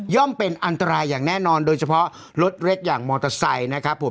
เป็นอันตรายอย่างแน่นอนโดยเฉพาะรถเล็กอย่างมอเตอร์ไซค์นะครับผม